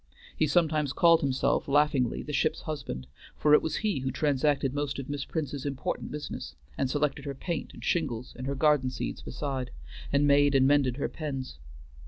He sometimes called himself laughingly the ship's husband, for it was he who transacted most of Miss Prince's important business, and selected her paint and shingles and her garden seeds beside, and made and mended her pens.